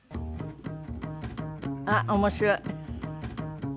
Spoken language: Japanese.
あっ面白い！